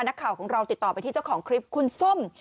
นักข่าวของเราติดต่อไปที่เจ้าของคลิปคุณส้ม